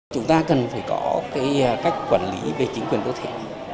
chúng ta cần phải có cái cách quản lý về chính quyền đô thị